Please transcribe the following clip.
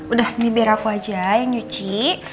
udah ini biar aku aja yang nyuci